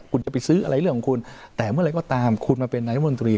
คุณจะไปซื้ออะไรเรื่องของคุณแต่เมื่อไหร่ก็ตามคุณมาเป็นนายมนตรี